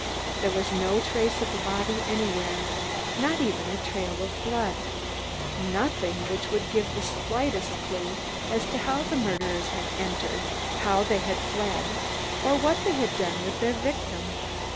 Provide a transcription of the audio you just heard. There was no trace of a body anywhere, not even a trail of blood, nothing which would give the slightest clue as to how the murderers had entered, how they had fled, or what they had done with their victim.